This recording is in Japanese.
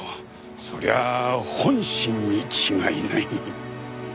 そりゃ本心に違いない。